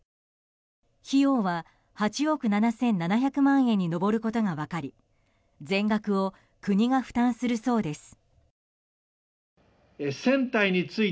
費用は８億７７００万円に上ることが分かり全額を国が負担するそうです。